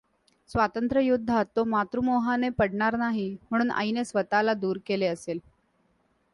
स्वातंत्र्ययुद्धात तो मातृमोहाने पडणार नाही, म्हणून आईने स्वतःला दूर केले असेल.